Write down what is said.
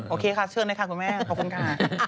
โอเคค่ะเชิญเลยค่ะคุณแม่ขอบคุณค่ะ